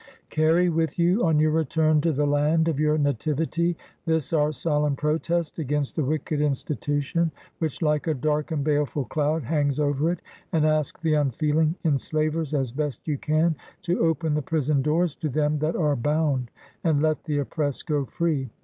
Carry with you, on your return to the land of your nativity, this our solemn protest against the wicked institution which, like a dark and baleful cloud, hangs over it; and ask the unfeeling enslavers, as best you can, to open the prison doors to them that are bound, and let the oppressed go free.